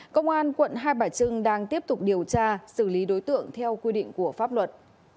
công an quận hai bà trưng đang tiếp tục điều tra xử lý đối tượng theo quy định của pháp luật